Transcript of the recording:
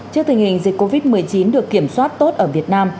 trước tình hình dịch covid một mươi chín được kiểm soát tốt ở việt nam